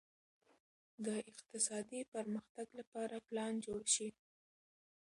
د اقتصادي پرمختګ لپاره پلان جوړ شي.